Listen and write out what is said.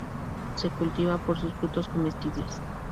Se cultiva por sus frutos comestibles.